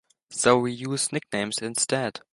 So we use nicknames instead.